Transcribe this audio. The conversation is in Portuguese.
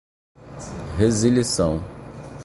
resilição